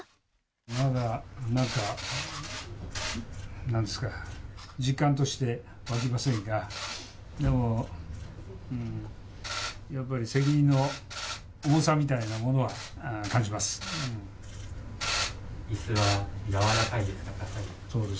まだ、なんか、なんですか、実感として湧きませんが、でもやっぱり、責任の重さみたいなものは感じます。